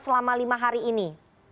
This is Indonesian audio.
selama lima hari ini